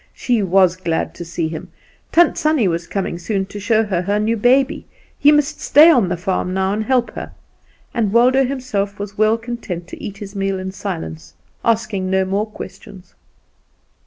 She was glad to see him Tant Sannie was coming soon to show her her new baby he must stay on the farm now, and help her. And Waldo himself was well content to eat his meal in silence, asking no more questions.